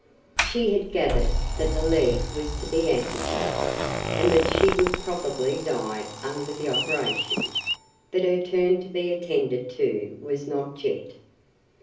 She had gathered that the leg was to be amputated, and that she would probably die under the operation but her turn to be attended to was not yet.